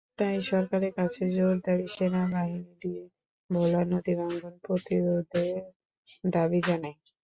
তাই সরকারের কাছে জোর দাবি, সেনাবাহিনী দিয়ে ভোলার নদীভাঙন প্রতিরোধের দাবি জানাই।